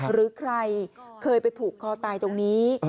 หรือใครเคยไปผูกคอตายตรงนี้